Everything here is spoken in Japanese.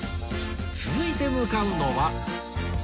続いて向かうのは